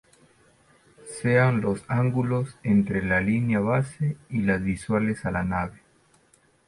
Sean los ángulos entre la línea base y las visuales a la nave.